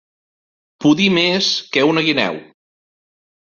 Pudir més que una guineu.